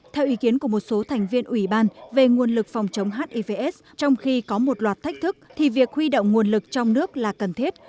theo ý kiến của một số thành viên ủy ban về nguồn lực phòng chống hivs trong khi có một loạt thách thức thì việc huy động nguồn lực trong nước là cần thiết